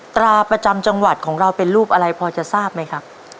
ตราประจำจังหวัดของเราเป็นรูปอะไรพอจะทราบไหมครับ